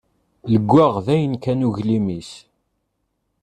Leggaɣ dayen kan uglim-is.